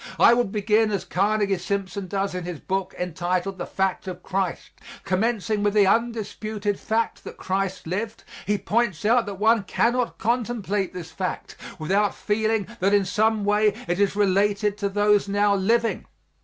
I would begin as Carnegie Simpson does in his book entitled, "The Fact of Christ." Commencing with the undisputed fact that Christ lived, he points out that one cannot contemplate this fact without feeling that in some way it is related to those now living.